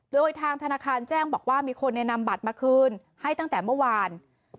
โดยทางธนาคารแจ้งบอกว่ามีคนนำบัตรมาคืนให้ตั้งแต่เมื่อวาน